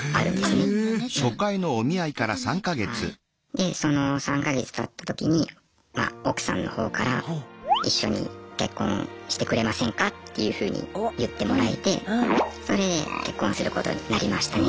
でその３か月たった時にま奥さんの方からっていうふうに言ってもらえてそれで結婚することになりましたね。